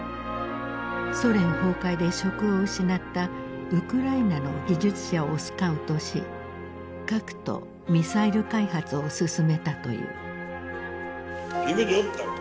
ソ連崩壊で職を失ったウクライナの技術者をスカウトし核とミサイル開発を進めたという。